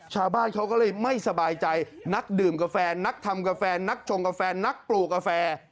ชาวบ้านเขาก็เลยไม่สบายใจนักดื่มกาแฟนักทำกาแฟนักชงกาแฟนักปลูกกาแฟ